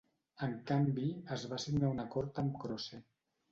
En canvi, es va signar un acord amb Crossair.